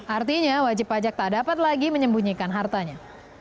artinya wajib pajak tak dapat lagi menyembunyikan hartanya